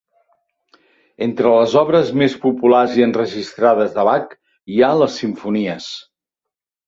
Entre les obres més populars i enregistrades de Bach hi ha les simfonies.